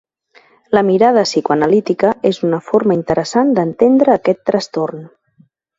La mirada psicoanalítica és una forma interessant d'entendre aquest trastorn.